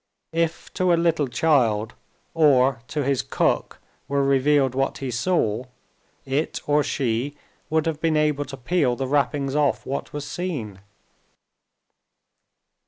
If to a little child or to his cook were revealed what he saw, it or she would have been able to peel the wrappings off what was seen.